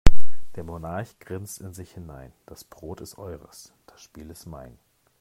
Der Monarch grinst in sich hinein: Das Brot ist eures, das Spiel ist mein.